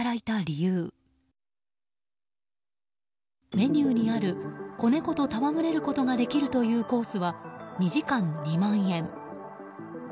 メニューにある子猫とたわむれることができるというコースは２時間、２万円。